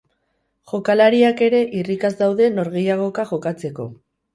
Jokalariak ere irrikaz daude norgehiagoka jokatzeko.